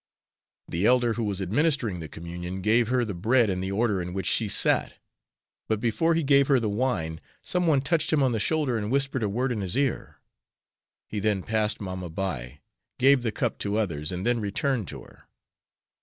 The elder who was administering the communion gave her the bread in the order in which she sat, but before he gave her the wine some one touched him on the shoulder and whispered a word in his ear. He then passed mamma by, gave the cup to others, and then returned to her.